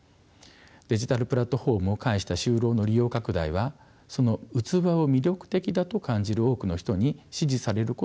デジタルプラットフォームを介した就労の利用拡大はその器を魅力的だと感じる多くの人に支持されることが必要です。